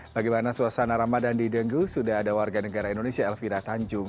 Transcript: bagaimana suasana ramadan di dengu sudah ada warga negara indonesia elvira tanjung